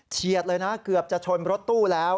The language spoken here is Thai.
เฉียดเลยนะเกือบจะชนรถตู้แล้ว